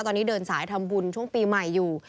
ตอนนี้เดินสายทำบุญช่วงปีใหม่อยู่